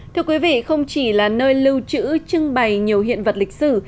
thưa quý vị không chỉ là nơi lưu trữ trưng bày nhiều hiện vật lịch sử